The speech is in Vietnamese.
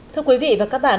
thưa quý vị và các bạn